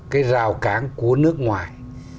cái rào cản của nước ngoài